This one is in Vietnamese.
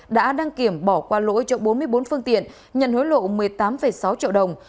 đã đăng kiểm bỏ qua lỗi cho bốn mươi bốn phương tiện nhận hối lộ một mươi tám sáu triệu đồng